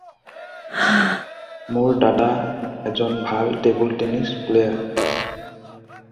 মোৰ দাদা এজন ভাল টেবুল টেনিছ প্লেয়াৰ।